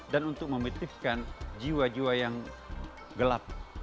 dan untuk memitifkan jiwa jiwa yang gelap